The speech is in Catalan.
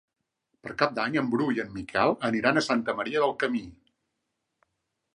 Per Cap d'Any en Bru i en Miquel aniran a Santa Maria del Camí.